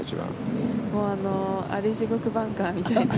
アリ地獄バンカーみたいな。